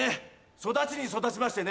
育ちに育ちましてね